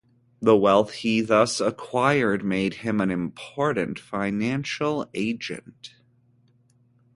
The wealth he thus acquired made him an important financial agent.